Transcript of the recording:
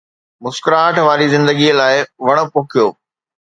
مسڪراهٽ واري زندگي لاءِ وڻ پوکيو.